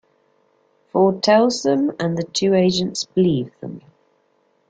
Ford tells them and the two agents believe them.